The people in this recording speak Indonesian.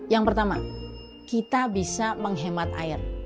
yang pertama kita bisa menghemat air